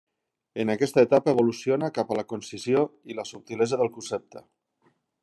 En aquesta etapa evoluciona cap a la concisió i la subtilesa de concepte.